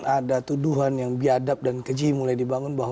ada tuduhan yang biadab dan keji mulai dibangun bahwa